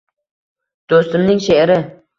doʼstimning sheʼri